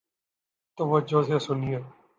توجہ سے سنیئے